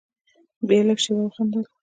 بيا يې لږه شېبه وخندل.